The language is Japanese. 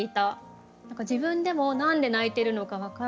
自分でも何で泣いてるのか分からない。